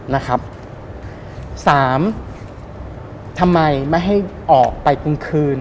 สามทำไมไม่ให้ออกไปกลางคืน